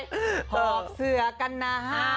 หอบเสือกันนะ